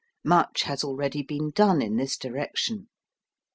Much has already been done in this direction.